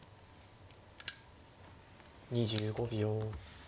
２５秒。